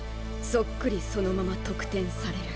そっくりそのまま得点される。